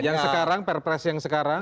yang sekarang perpres yang sekarang